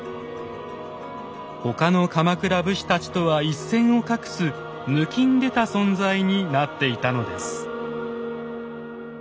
他の鎌倉武士たちとは一線を画すぬきんでた存在になっていたのです。